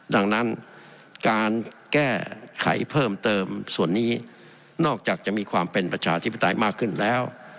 ดังนั้นการแก้ไขเพิ่มเติมส่วนนี้นอกจากจะมีความเป็นประชาธิปไตยมากขึ้นแล้ว